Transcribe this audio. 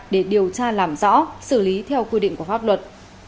để điều tra làm rõ xử lý theo quy định của pháp luật